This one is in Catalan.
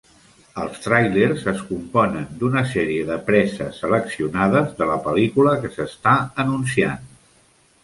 Els tràilers es componen d'una sèrie de preses seleccionades de la pel·lícula que s'està anunciant.